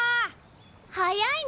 早いね！